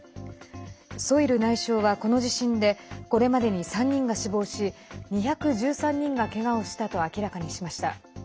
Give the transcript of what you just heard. ソイル内相は、この地震でこれまでに３人が死亡し２１３人が、けがをしたと明らかにしました。